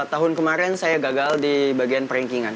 tahun kemarin saya gagal di bagian perinkingan